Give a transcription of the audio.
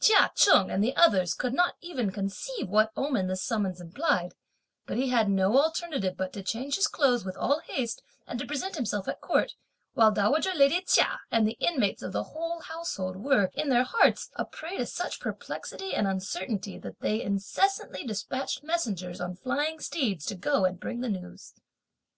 Chia Cheng and the others could not even conceive what omen this summons implied, but he had no alternative but to change his clothes with all haste and to present himself at Court, while dowager lady Chia and the inmates of the whole household were, in their hearts, a prey to such perplexity and uncertainty that they incessantly despatched messengers on flying steeds to go and bring the news.